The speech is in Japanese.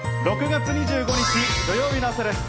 ６月２５日土曜日の朝です。